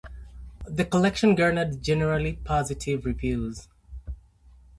The collection garnered generally positive reviews.